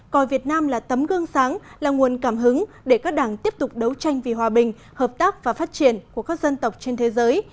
coi việt nam là tấm gương sáng là nguồn cảm hứng để các đảng tiếp tục đấu tranh vì hòa bình hợp tác và phát triển của các dân tộc trên thế giới